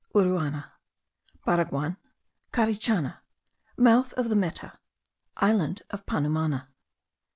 URUANA. BARAGUAN. CARICHANA. MOUTH OF THE META. ISLAND OF PANUMANA.